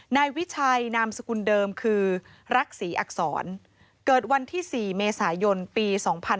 นายวิชัยนามสกุลเดิมคือรักษีอักษรเกิดวันที่๔เมษายนปี๒๕๕๙